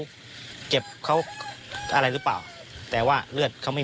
ตกลงไปจากรถไฟได้ยังไงสอบถามแล้วแต่ลูกชายก็ยังไง